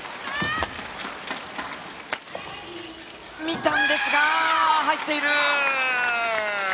見たんですが入っている。